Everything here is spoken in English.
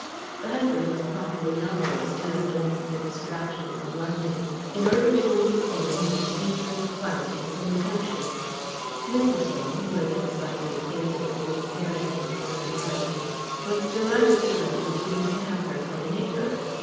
The husband was a popular novelist, who had left the distractions of London in order to win fame in peace and quietness in the country. Mrs. Weyne, who had been slightly acquainted with Mrs. Heredith before her marriage, was delighted to learn she was to have her for a neighbour.